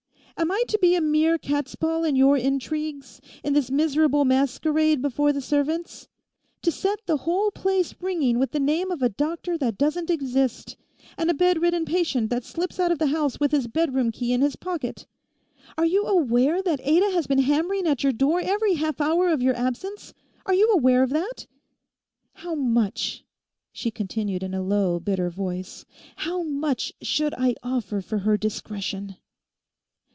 Am I to be a mere catspaw in your intrigues, in this miserable masquerade before the servants? To set the whole place ringing with the name of a doctor that doesn't exist, and a bedridden patient that slips out of the house with his bedroom key in his pocket! Are you aware that Ada has been hammering at your door every half hour of your absence? Are you aware of that? How much,' she continued in a low, bitter voice, 'how much should I offer for her discretion?